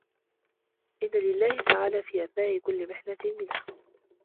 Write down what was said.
إنَّ لِلَّهِ تَعَالَى فِي أَثْنَاءِ كُلِّ مِحْنَةٍ مِنْحَةٌ